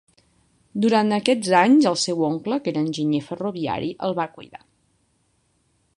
Durant aquests anys, el seu oncle, que era enginyer ferroviari, el va cuidar.